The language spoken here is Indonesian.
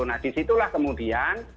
nah disitulah kemudian